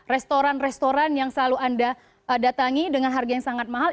restoran restoran yang selalu anda datangi dengan harga yang sangat mahal